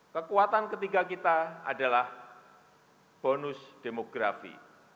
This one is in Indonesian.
kekuatan ketiga kita adalah bonus demografi